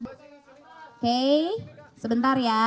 oke sebentar ya